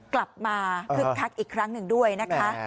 กลับมาคึกคักอีกครั้งหนึ่งด้วยนะคะ